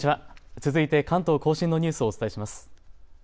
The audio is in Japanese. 続いて関東甲信のニュースをお伝えします。